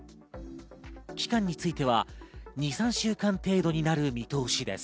期間については２３週間程度になる見通しです。